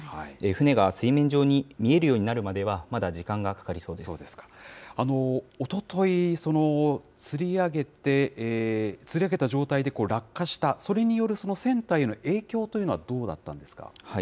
船が水面上に見えるようになるまおととい、つり上げた状態で落下した、それによる船体への影響というのはどうだったんですか。